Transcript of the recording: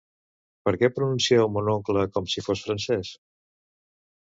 Per què pronuncieu "mon oncle" com si fos francès?